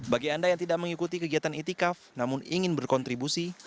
bagi anda yang tidak mengikuti kegiatan itikaf namun ingin berkontribusi